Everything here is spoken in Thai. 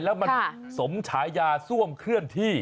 แล้วมันสมฉายาซ่วมเคลื่อนที่